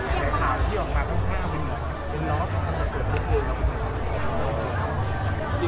แต่พาที่เหยียบออกมาค่อนข้างเป็นทะเลด้วที่เป็นหลอด